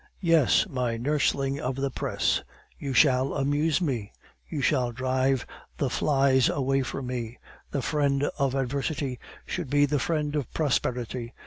"Yes, my nursling of the press. You shall amuse me; you shall drive the flies away from me. The friend of adversity should be the friend of prosperity.